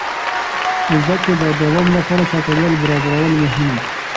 د زده کړې د دوام لپاره چاپېریال برابرول مهم دي.